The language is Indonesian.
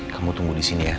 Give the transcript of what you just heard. kamu tunggu disini ya